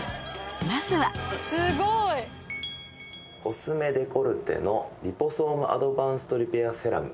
まずはコスメデコルテのリポソームアドバンストリペアセラム。